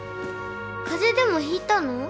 風邪でもひいたの？